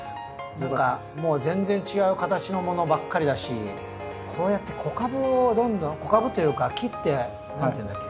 何かもう全然違う形のものばっかりだしこうやって子株をどんどん子株っていうか切って何て言うんだっけ？